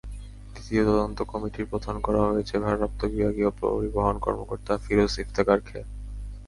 দ্বিতীয় তদন্ত কমিটির প্রধান করা হয়েছে ভারপ্রাপ্ত বিভাগীয় পরিবহন কর্মকর্তা ফিরোজ ইফতেখারকে।